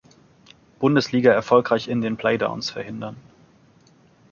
Bundesliga erfolgreich in den Playdowns verhindern.